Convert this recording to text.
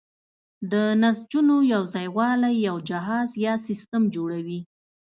د نسجونو یوځای والی یو جهاز یا سیستم جوړوي.